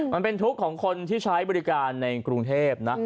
มันเป็นทุกข์ของคนที่ใช้บริการในกรุงเทพนะ